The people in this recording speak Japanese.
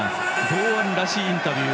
堂安らしいインタビュー。